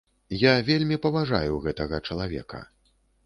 Я вельмі паважаю гэтага чалавека.